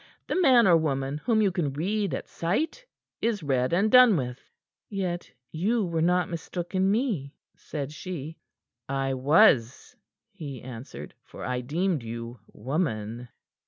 "The man or woman whom you can read at sight, is read and done with." "Yet you were not mistook in me," said she. "I was," he answered, "for I deemed you woman."